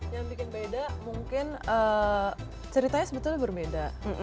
yang bikin beda mungkin ceritanya sebetulnya berbeda